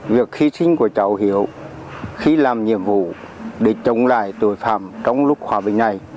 việc hy sinh của cháu hiếu khi làm nhiệm vụ để chống lại tội phạm trong lúc hòa bình này